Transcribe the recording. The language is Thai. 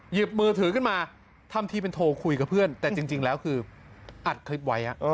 หยิบมือถือขึ้นมาทำทีเป็นโทรคุยกับเพื่อนแต่จริงแล้วคืออัดคลิปไว้